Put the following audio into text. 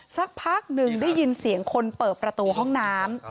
สักพักหนึ่งได้ยินเสียงคนเปิดประตูห้องน้ำ